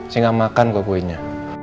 saya gak makan kok kuenya